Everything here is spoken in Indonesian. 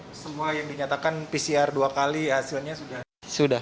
semua yang dinyatakan pcr dua kali hasilnya sudah